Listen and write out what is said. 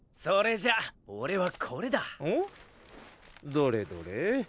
どれどれ？